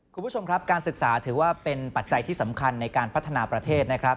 คุณผู้ชมครับการศึกษาถือว่าเป็นปัจจัยที่สำคัญในการพัฒนาประเทศนะครับ